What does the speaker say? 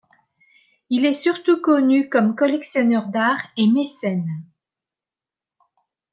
Il est surtout connu comme collectionneur d'art et mécène.